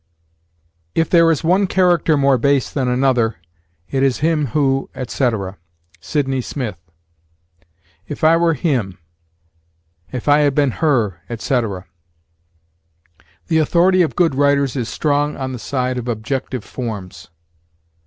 'If there is one character more base than another, it is him who,' etc. Sydney Smith. 'If I were him'; 'if I had been her,' etc. The authority of good writers is strong on the side of objective forms.